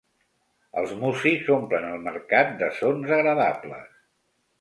Els músics omplen el mercat de sons agradables.